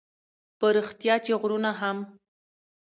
په رښتیا چې غرونه هم